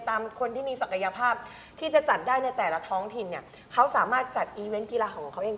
คนที่มีศักยภาพที่จะจัดได้ในแต่ละท้องถิ่นเนี่ยเขาสามารถจัดอีเวนต์กีฬาของเขาเอง